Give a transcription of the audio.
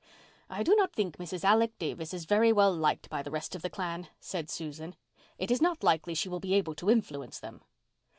"I do not think Mrs. Alec Davis is very well liked by the rest of the clan," said Susan. "It is not likely she will be able to influence them."